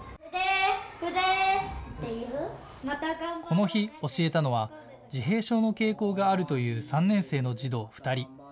この日、教えたのは自閉症の傾向があるという３年生の児童２人。